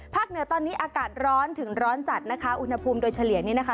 เหนือตอนนี้อากาศร้อนถึงร้อนจัดนะคะอุณหภูมิโดยเฉลี่ยนี่นะคะ